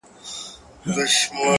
خپل د لاس څخه اشـــنــــــا.